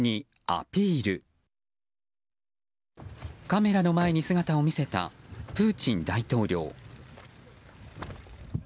カメラの前に姿を見せたプーチン大統領。